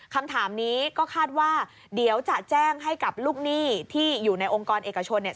คำถามนี้ก็คาดว่าเดี๋ยวจะแจ้งให้กับลูกหนี้ที่อยู่ในองค์กรเอกชนเนี่ย